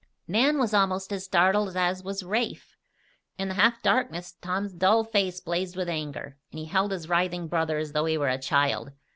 Nan was almost as startled as was Rafe. In the half darkness Tom's dull face blazed with anger, and he held his writhing brother as though he were a child.